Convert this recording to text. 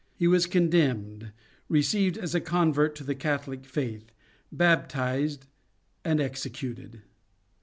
He was condemned, received as a convert to the Catholic faith, baptized, and executed.